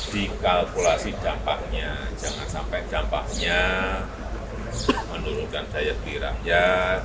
dikalkulasi campaknya jangan sampai campaknya menurunkan daya kehidupannya